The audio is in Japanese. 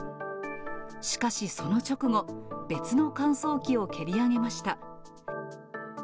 しかし、その直後、別の乾燥機を蹴り上げました。